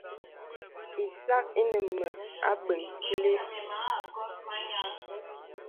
Ìsak ìnə mə abəŋ kìlì.